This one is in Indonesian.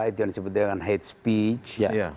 itu yang disebut dengan hate speech